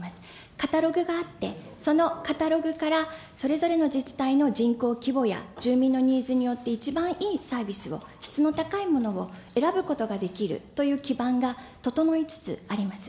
カタログがあって、そのカタログからそれぞれの自治体の人口規模や住民のニーズによって一番いいサービスを、質の高いものを選ぶことができるという基盤が整いつつあります。